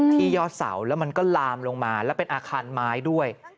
ยอดเสาแล้วมันก็ลามลงมาแล้วเป็นอาคารไม้ด้วย